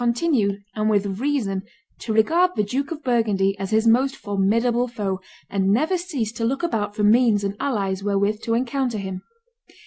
continued, and with reason, to regard the Duke of Burgundy as his most formidable foe, and never ceased to look about for means and allies wherewith to encounter him.